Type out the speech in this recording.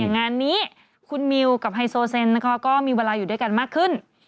งานนี้คุณมิวกับไฮโซเซนก็มีเวลาอยู่ด้วยกันมากขึ้น